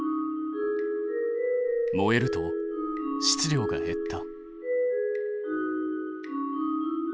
燃えると質量が減った。